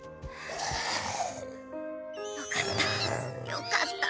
よかった！